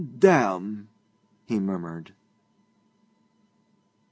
'Damn!' he murmured.